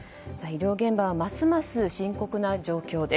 医療現場はますます深刻な状況。